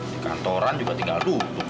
di kantoran juga tinggal duduk